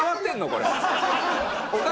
これ。